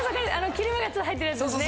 切れ目が入ってるやつですね？